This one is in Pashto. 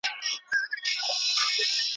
قلا د مېړنو ده څوک به ځي څوک به راځي!